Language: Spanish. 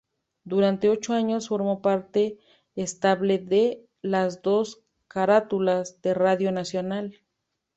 Durante ocho años formó parte estable de "Las Dos Carátulas" de Radio Nacional.